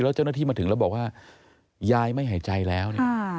แล้วเจ้าหน้าที่มาถึงแล้วบอกว่ายายไม่หายใจแล้วเนี่ย